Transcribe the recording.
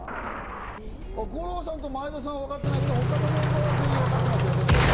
五郎さんと前田さんはわかってないけど、他のメンバーは全員わかってますよ、天の声さん。